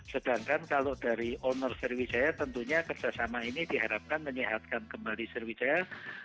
sedangkan kalau dari owner sriwijaya tentunya kerjasama ini diharapkan menyehatkan kembali sriwijaya